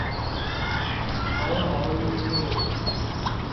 同盟一路